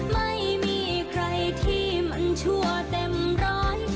ไม่มีใครที่มันชั่วเต็มร้อย